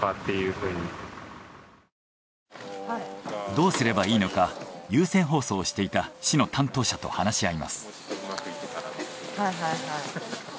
どうすればいいのか有線放送をしていた市の担当者と話し合います。